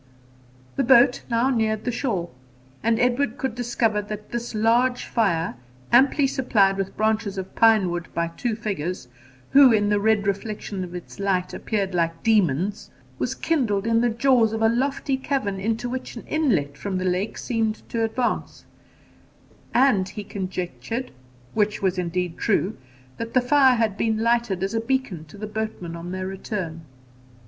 The boat now neared the shore, and Edward could discover that this large fire, amply supplied with branches of pine wood by two figures, who, in the red reflection of its light, appeared like demons, was kindled in the jaws of a lofty cavern, into which an inlet from the lake seemed to advance; and he conjectured, which was indeed true, that the fire had been lighted as a beacon to the boatmen on their return.